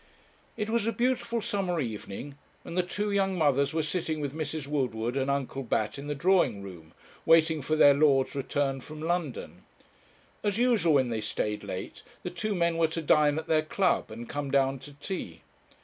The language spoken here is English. It was a beautiful summer evening, and the two young mothers were sitting with Mrs. Woodward and Uncle Bat in the drawing room, waiting for their lords' return from London. As usual, when they stayed late, the two men were to dine at their club and come down to tea.